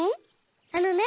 あのね